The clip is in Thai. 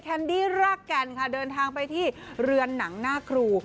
แนดี้รากแก่นค่ะเดินทางไปที่เรือนหนังหน้าครู